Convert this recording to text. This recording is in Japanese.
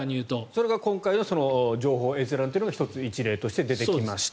それが今回の情報閲覧というのが１つ、一例として出てきました。